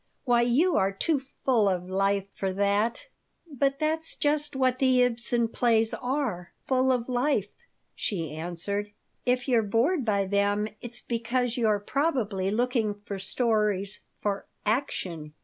"Why, you are too full of life for that." "But that's just what the Ibsen plays are full of life," she answered. "If you're bored by them it's because you're probably looking for stories, for 'action.'